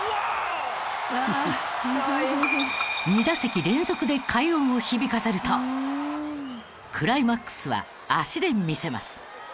２打席連続で快音を響かせるとクライマックスは足で魅せます。